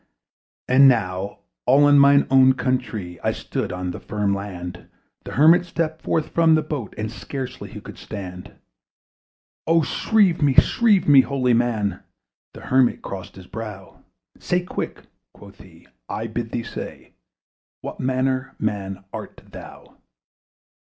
And now, all in my own countree, I stood on the firm land! The Hermit stepped forth from the boat, And scarcely he could stand. "O shrieve me, shrieve me, holy man!" The Hermit crossed his brow. "Say quick," quoth he, "I bid thee say What manner of man art thou?"